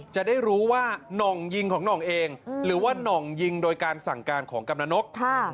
จะได้รู้ว่าน่องยิงของหน่องเองหรือว่าน่องยิงโดยการสั่งการของกำลังนก